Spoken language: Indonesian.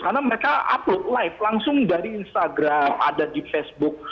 karena mereka upload live langsung dari instagram ada di facebook